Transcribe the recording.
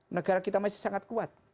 negara kita masih sangat kuat